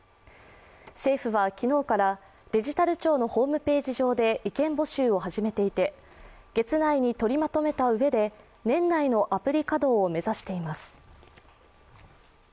政府は昨日から、デジタル庁のホームページ上で意見募集を始めていて、月内に取りまとめたうえで年内のアプリ稼働を目指しています。